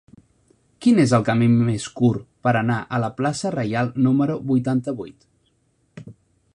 Quin és el camí més curt per anar a la plaça Reial número vuitanta-vuit?